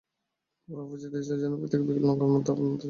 বড়আপা চিঠি দিয়েছে যেন প্রত্যেক বিকালে নৌকার মধ্যে আপনার চা দেই।